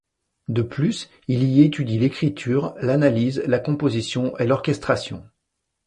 De plus, il y étudie l'écriture, l'analyse, la composition et l'orchestration.